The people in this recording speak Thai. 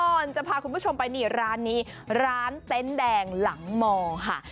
เราจะพาคุณผู้ชมไปร้านนี้ร้านเต้นแดงหลังหมอค่ะ